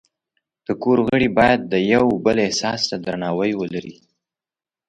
د کور غړي باید د یو بل احساس ته درناوی ولري.